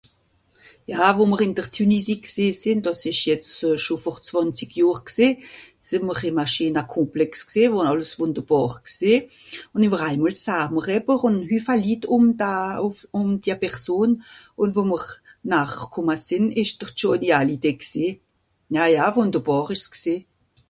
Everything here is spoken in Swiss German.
ja wo'mr ìn dr Tunisie gsé sìn dàss esch jetz schò vor zwànzig johr gsé sìn mr ìm a scheena complex gsé wo àlles wùnderbàr gsé un ìwer einmol sahn m'r eber ùn e hüffe litt ùm da ùff ùm dia person ùn wo mr nahr kòmme sìn esch s de Johnny Hallyday gsé na ja wùnderbàr esch's gsé